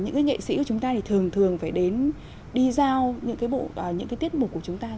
những cái nghệ sĩ của chúng ta thì thường thường phải đến đi giao những cái tiết mục của chúng ta